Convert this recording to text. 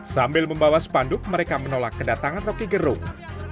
sambil membawa spanduk mereka menolak kedatangan roky gerung